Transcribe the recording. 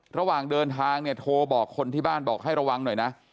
ระหว่างเดินทางเนี่ยโทรบอกคนที่บ้านบอกให้ระวังหน่อยนะ